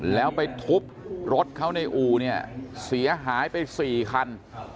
แล้วไปทุบรถเขาในอู่เนี่ยเสียหายไป๔คัน